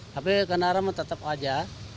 tapi kendaraan tetap aja